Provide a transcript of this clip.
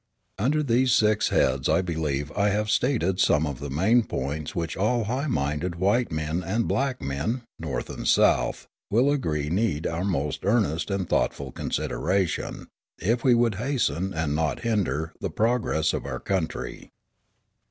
Under these six heads I believe I have stated some of the main points which all high minded white men and black men, North and South, will agree need our most earnest and thoughtful consideration, if we would hasten, and not hinder, the progress of our country.